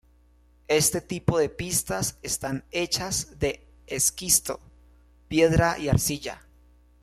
Este tipo de pistas están hechas de esquisto, piedra y arcilla.